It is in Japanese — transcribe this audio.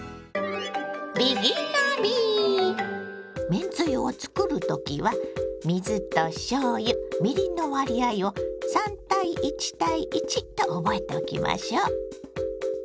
めんつゆを作る時は水としょうゆみりんの割合を３：１：１と覚えておきましょう。